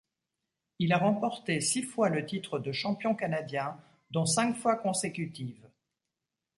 Il a remporté six fois le titre de champion canadien, dont cinq fois consécutives.